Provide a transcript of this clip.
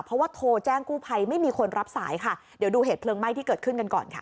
เพราะว่าโทรแจ้งกู้ภัยไม่มีคนรับสายค่ะเดี๋ยวดูเหตุเพลิงไหม้ที่เกิดขึ้นกันก่อนค่ะ